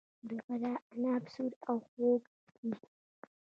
د فراه عناب سور او خوږ وي.